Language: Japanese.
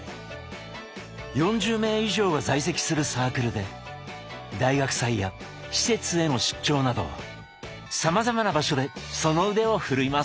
４０名以上が在籍するサークルで大学祭や施設への出張などさまざまな場所でその腕を振るいます。